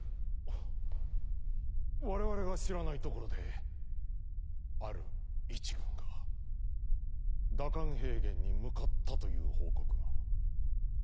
我々が知らないところである一軍が蛇甘平原に向かったという報告が。